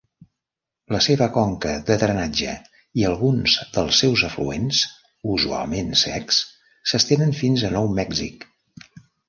La seva conca de drenatge i alguns dels seus afluents, usualment secs, s'estenen fins a Nou Mèxic.